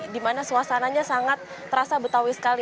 dimana suasananya sangat terasa betawi sekali